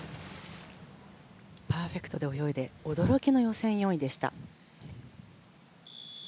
パーフェクトで泳いで驚きの予選４位でした。